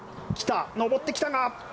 上ってきたが。